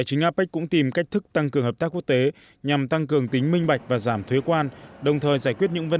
để tìm cách thúc đẩy quan hệ linh hoạt giữa quân đội của hai bên